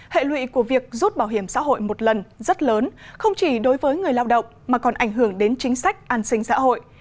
hệ lụy của việc rút bảo hiểm xã hội một lần rất lớn không chỉ đối với người lao động mà còn ảnh hưởng đến chính sách an sinh xã hội